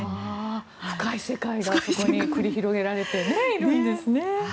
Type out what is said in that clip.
深い世界がそこに繰り広げられているんですね。